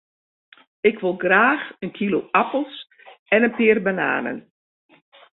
Ik wol graach in kilo apels en in pear bananen.